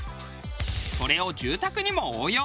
それを住宅にも応用。